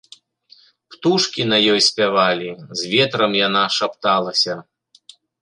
Птушкі на ёй спявалі, з ветрам яна шапталася.